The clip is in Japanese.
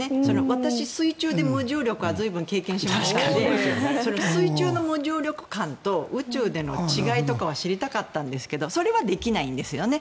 私、水中で無重力は随分経験しましたので水中の無重力感と宇宙での違いとかは知りたかったんですけどそれはできないんですよね。